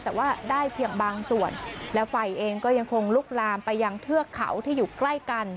แต่ว่าได้เพียงบางส่วนและไฟเองก็ยังคงลุกลามไปยังเทือกเขาที่อยู่ใกล้กัน